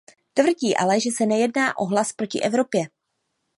Tvrdí ale, že se nejedná o hlas proti Evropě.